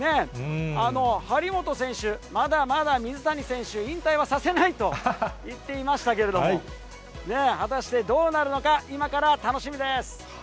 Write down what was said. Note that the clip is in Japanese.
張本選手、まだまだ水谷選手、引退はさせないと言っていましたけれども、果たしてどうなるのか、今から楽しみです。